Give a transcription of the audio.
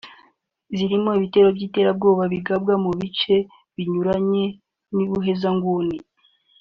zirimo ibitero by’iterabwoba bigabwa mu bice binyuranye n’ubuhezanguni